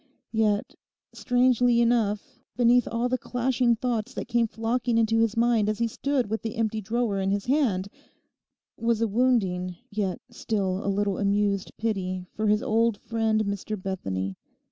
Yet, strangely enough, beneath all the clashing thoughts that came flocking into his mind as he stood with the empty drawer in his hand, was a wounding yet still a little amused pity for his old friend Mr Bethany.